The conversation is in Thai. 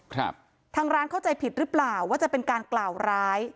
ทางร้านเข้าใจผิดหรือเปล่าว่าจะเป็นการกล่าวร้าย